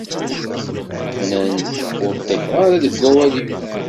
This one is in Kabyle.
Nnan ur ṭṭifeɣ ara deg awal-iw...